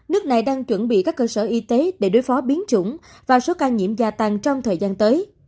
nước này đang chuẩn bị các cơ sở y tế để đối phó biến chủng và số ca nhiễm gia tăng trong thời gian tới